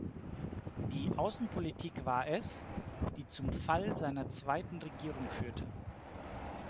Die Außenpolitik war es, die zum Fall seiner zweiten Regierung führte.